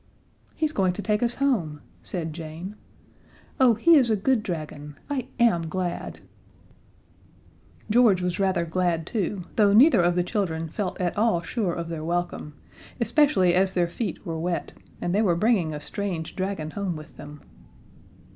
"He's going to take us home," said Jane. "Oh, he is a good dragon. I am glad!" George was rather glad too, though neither of the children felt at all sure of their welcome, especially as their feet were wet, and they were bringing a strange dragon home with them.